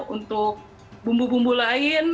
untuk bumbu bumbu lain